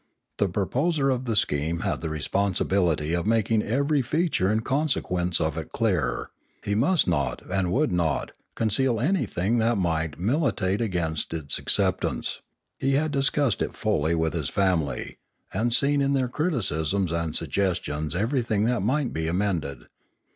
The proposer of the scheme had the responsibility of making every feature and consequence of it clear; he must not, and would not, conceal anything that might militate against its acceptance; he had discussed it fully with his family, and seen in their criticisms and suggestions everything that might be amended.